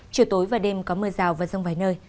chiều tối và đêm có mưa rào và rông vài nơi